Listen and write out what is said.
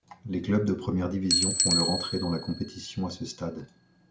Les clubs de première division font leur entrée dans la compétition à ce stade.